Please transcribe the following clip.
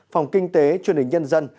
phòng kinh tế chương trình nhân dân